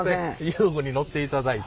遊具に乗っていただいて。